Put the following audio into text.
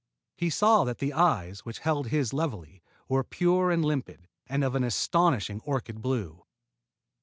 He saw that the eyes which held his levelly were pure and limpid, and of an astonishing orchid blue.